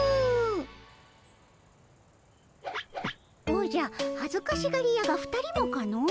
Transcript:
おじゃ恥ずかしがり屋が２人もかの？